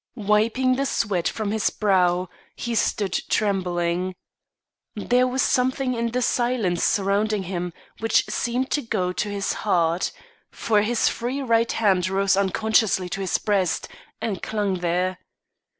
Wiping the sweat from his brow, he stood trembling. There was something in the silence surrounding him which seemed to go to his heart; for his free right hand rose unconsciously to his breast, and clung there.